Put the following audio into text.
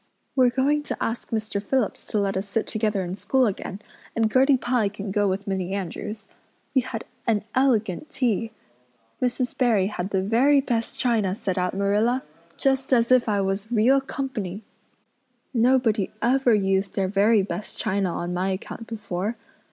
We're going to ask Mr. Phillips to let us sit together in school again, and Gertie Pye can go with Minnie Andrews. We had an elegant tea. Mrs. Barry had the very best china set out, Marilla, just as if I was real company. I can't tell you what a thrill it gave me. Nobody ever used their very best china on my account before.